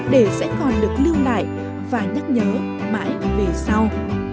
để sẽ còn được lưu lại và nhắc nhớ mãi về sau